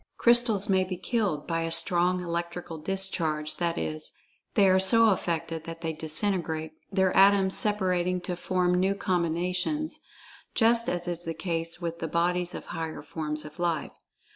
Crystals may be "killed" by a strong electrical discharge—that is, they are so affected that they disintegrate, their atoms separating to form new combinations, just as is the case with the "bodies" of higher forms of life.